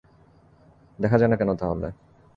দেখা যায় না কেন তাহলে?